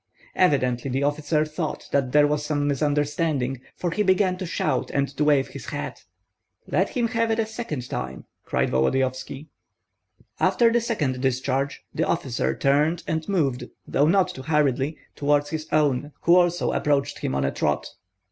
Evidently the officer thought that there was some misunderstanding, for he began to shout and to wave his hat. "Let him have it a second time!" cried Volodyovski. After the second discharge the officer turned and moved, though not too hurriedly, toward his own, who also approached him on a trot.